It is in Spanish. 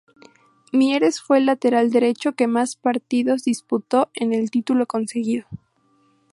Mieres fue el lateral derecho que más partidos disputó en el titulo conseguido.